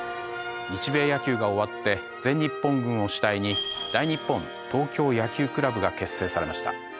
日米野球が終わって全日本軍を主体に大日本東京野球倶楽部が結成されました。